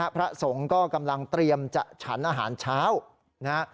พระสงฆ์ก็กำลังเตรียมจะฉันอาหารเช้านะฮะ